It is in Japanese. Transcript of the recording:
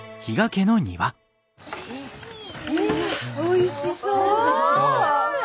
おいしそう！